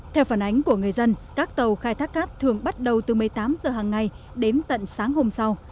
theo phản ánh của người dân các tàu khai thác cát thường bắt đầu từ một mươi tám h hàng ngày đến tận sáng hôm sau